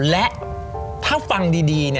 และถ้าฟังดีเนี่ย